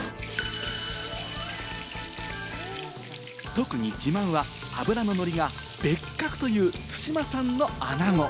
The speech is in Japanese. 特に自慢は脂の乗りが別格という対馬産のアナゴ。